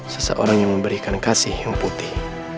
seseorang yang memberikan kasih yang putih